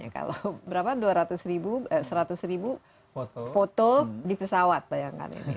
kalau berapa dua ratus ribu eh seratus ribu foto di pesawat bayangkan ini